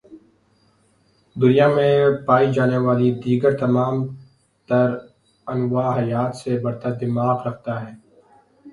دنیا میں پائی جانے والی دیگر تمام تر انواع حیات سے برتر دماغ رکھتی ہے